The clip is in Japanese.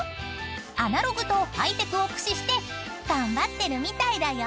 ［アナログとハイテクを駆使して頑張ってるみたいだよ］